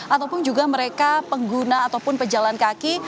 ataupun juga mereka pengguna ataupun pejalan kaki